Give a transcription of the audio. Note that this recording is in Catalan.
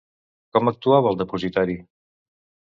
Com actuava el depositari?